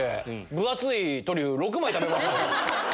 分厚いトリュフ６枚食べました。